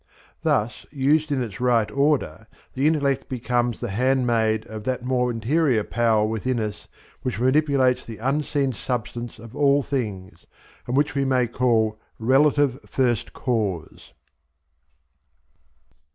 Thus used in its right order, the intellect becomes the handmaid of that more interior power within us which manipulates the unseen substance of all things, and which we may call relative first cause.